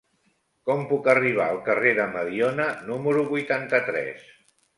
Com puc arribar al carrer de Mediona número vuitanta-tres?